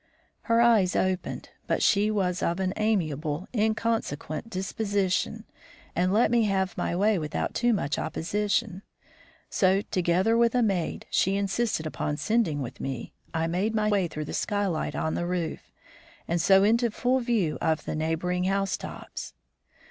Her eyes opened, but she was of an amiable, inconsequent disposition and let me have my way without too much opposition. So, together with a maid she insisted upon sending with me, I made my way through the skylight on to the roof, and so into full view of the neighboring house tops.